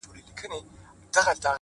زه سم پء اور کړېږم ستا په محبت شېرينې-